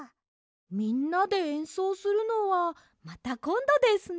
みんなでえんそうするのはまたこんどですね。